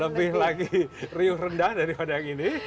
lebih lagi riuh rendah daripada yang ini